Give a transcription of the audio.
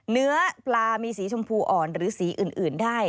เนื้อปลามีสีชมพูอ่อนหรือสีอื่นได้